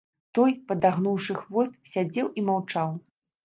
Той, падагнуўшы хвост, сядзеў і маўчаў.